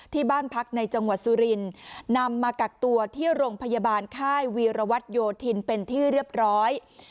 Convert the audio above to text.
ที่บ้านพักในจังหวัดสุรินนำมากักตัวที่โรงพยาบาลค่ายวีรวัตโยธินเป็นที่เรียบร้อย